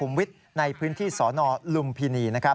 สุขุมวิทย์ในพื้นที่สนลุมพินี